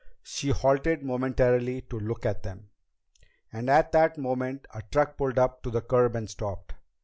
She halted momentarily to look at them, and at that moment a truck pulled up to the curb and stopped.